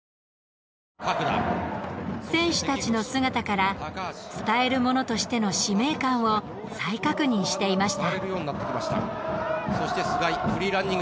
選手たちの姿から伝える者としての使命感を再確認していました。